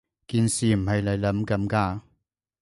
件事唔係你諗噉㗎